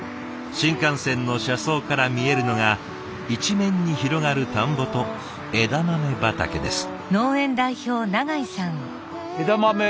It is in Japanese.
新幹線の車窓から見えるのが一面に広がる田んぼと枝豆畑です。